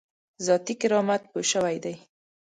ذاتي کرامت پوه شوی دی.